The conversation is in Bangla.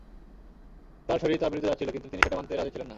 তাঁর শরীর তাঁর বিরুদ্ধে যাচ্ছিল কিন্তু তিনি সেটা মানতে রাজি ছিলেন না।